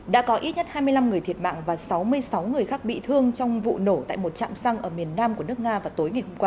đã có ít nhất hai mươi năm người thiệt mạng và sáu mươi sáu người khác bị thương trong vụ nổ tại một chạm xăng ở miền nam của nước nga vào tối ngày hôm qua